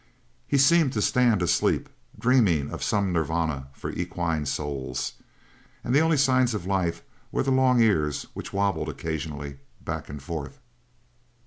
He seemed to stand asleep, dreaming of some Nirvana for equine souls. And the only signs of life were the long ears, which wobbled, occasionally, back and forth.